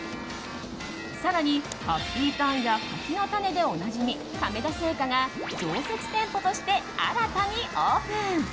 更に、ハッピーターンや柿の種でおなじみ、亀田製菓が常設店舗として新たにオープン。